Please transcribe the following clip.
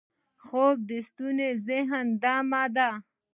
خوب د ستومانه ذهن دمه ده